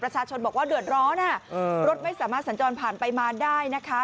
ประชาชนบอกว่าเดือดร้อนรถไม่สามารถสัญจรผ่านไปมาได้นะคะ